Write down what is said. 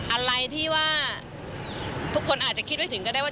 อะไรที่ว่าทุกคนอาจจะคิดไม่ถึงก็ได้ว่า